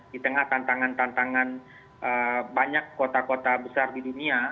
di tengah tantangan tantangan banyak kota kota besar di dunia